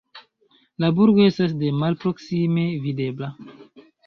La burgo estas de malproksime videbla.